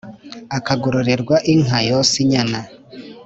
akagororerw inká yonsa ínyána